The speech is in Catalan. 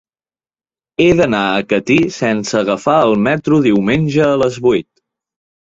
He d'anar a Catí sense agafar el metro diumenge a les vuit.